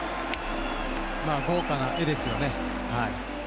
豪華な絵ですよね。